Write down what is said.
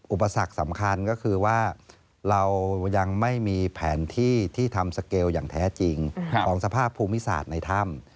อุปสรรคสำคัญก็คือว่าเรายังไม่มีแผนที่ที่ทำสเกลอย่างแท้จริงของสภาพภูมิศาสตร์ในถ้ำ